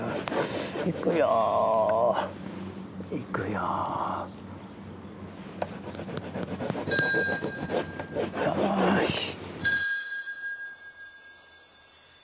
よし！